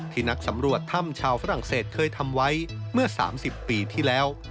นักสำรวจถ้ำชาวฝรั่งเศสเคยทำไว้เมื่อ๓๐ปีที่แล้ว